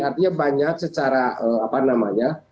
artinya banyak secara apa namanya